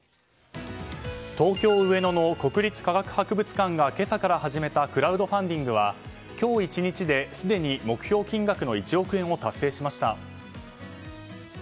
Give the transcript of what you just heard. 東京・上野の国立科学博物館が今朝から始めたクラウドファンディングは今日１日ですでに目標金額の１億円を達成しました。